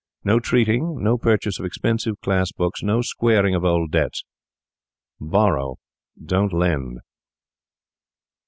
No treating, no purchase of expensive class books, no squaring of old debts; borrow, don't lend.